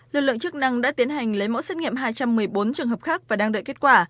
lực lượng chức năng đã tiến hành lấy mẫu xét nghiệm hai trăm một mươi bốn trường hợp khác và đang đợi kết quả